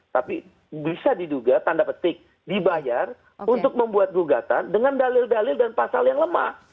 tapi bisa diduga tanda petik dibayar untuk membuat gugatan dengan dalil dalil dan pasal yang lemah